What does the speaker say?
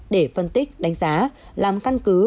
để phân tích đánh giá làm căn cứ